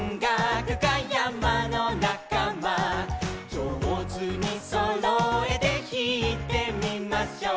「じょうずにそろえてひいてみましょう」